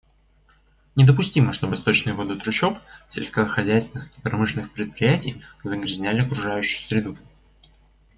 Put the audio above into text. Недопустимо, чтобы сточные воды трущоб, сельскохозяйственных и промышленных предприятий загрязняли окружающую среду.